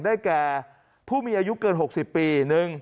ได้แก่ผู้มีอายุเกิน๖๐ปี